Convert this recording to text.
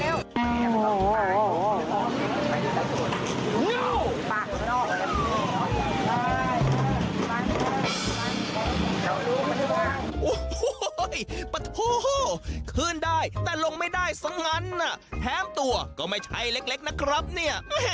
โอ้โหปะโถคืนได้แต่ลงไม่ได้ซะงั้นแถมตัวก็ไม่ใช่เล็กนะครับเนี่ย